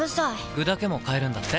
具だけも買えるんだって。